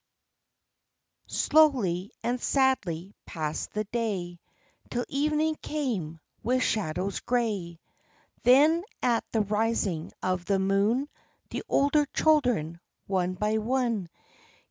Slowly and sadly passed the day, Till evening came, with shadows gray ; Then, at the rising of the moon, The older children, one by one.